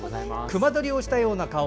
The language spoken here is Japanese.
隈取をしたような顔